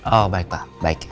oh baik pak baik